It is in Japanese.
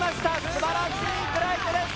すばらしいフライトです。